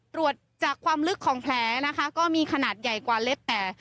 ตรวจจากความลึกของแผลนะคะก็มีขนาดใหญ่กว่าเล็บแต่